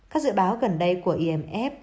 các dự báo gần đây của imf